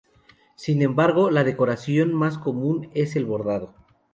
Sin embargo, la decoración más común es el bordado.